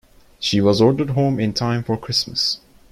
She was ordered home in time for Christmas.